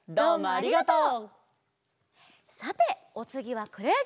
ありがとう。